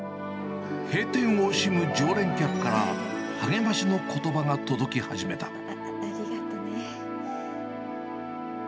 閉店を惜しむ常連客から、励ましのことばが届き始めた。